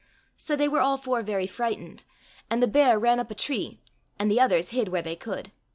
" So they were all four very frightened, and the bear ran up a tree, and the others hid where they could.